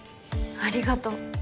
ありがとう。